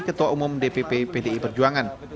ketua umum dpp pdi perjuangan